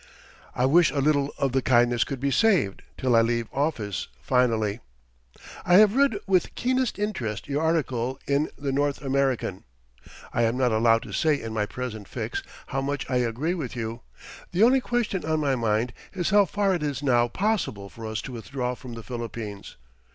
I wish a little of the kindness could be saved till I leave office finally. I have read with the keenest interest your article in the "North American." I am not allowed to say in my present fix how much I agree with you. The only question on my mind is how far it is now possible for us to withdraw from the Philippines.